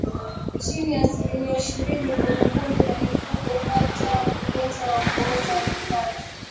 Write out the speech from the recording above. Chini ya asilimia ishirini kwenye kundi la mifugo hupata ugonjwa wa kuoza kwato